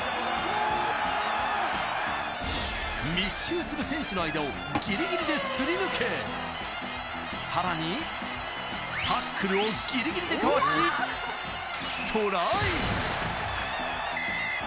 密集する選手の間をギリギリですり抜け、さらにタックルをギリギリでかわし、トライ！